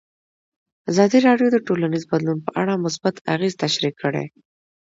ازادي راډیو د ټولنیز بدلون په اړه مثبت اغېزې تشریح کړي.